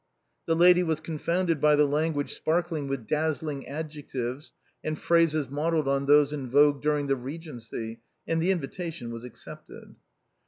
The lady was confounded by the lan guage sparkling with dazzling adjectives, and phrases modelled on those in vogue during the Regency, and the invitation was accepted.